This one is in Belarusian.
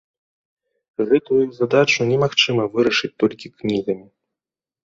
Гэтую задачу немагчыма вырашыць толькі кнігамі.